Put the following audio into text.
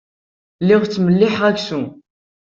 Lliɣ ttmelliḥeɣ aksum.